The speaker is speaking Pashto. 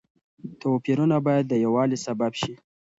توپيرونه بايد د يووالي سبب شي.